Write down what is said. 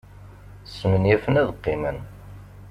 Smenyafen ad qqimen.